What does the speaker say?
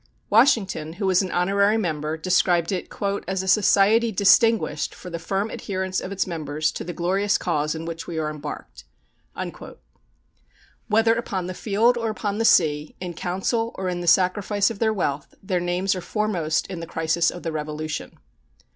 Washington, who was an honorary member, described it "as a society distinguished for the firm adherence of its members to the glorious cause in which we are embarked." Whether upon the field or upon the sea, in council or in the sacrifice of their wealth, their names are foremost in the crisis of the Revolution.